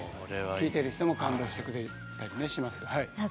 聴いている人も感動してくれると思います。